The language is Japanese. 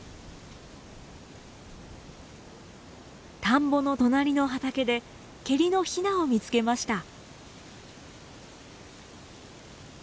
田んぼの隣の畑でケリのヒナを見つけました。